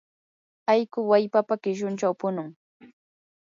allqu wallpapa qishunchaw punun.